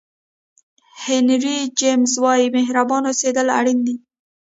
هینري جمیز وایي مهربانه اوسېدل اړین دي.